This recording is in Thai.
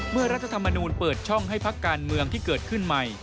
รัฐธรรมนูญเปิดช่องให้พักการเมืองที่เกิดขึ้นใหม่